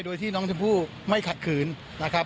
โดยที่น้องชมพู่ไม่ขัดขืนนะครับ